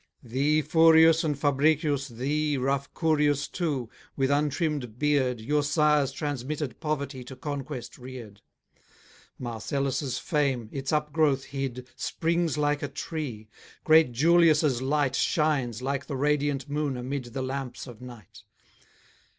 Thee, Furius, and Fabricius, thee, Rough Curius too, with untrimm'd beard, Your sires' transmitted poverty To conquest rear'd. Marcellus' fame, its up growth hid, Springs like a tree; great Julius' light Shines, like the radiant moon amid The lamps of night.